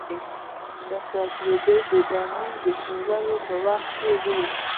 دا تجربې د بيمې د پلورلو په برخه کې وې.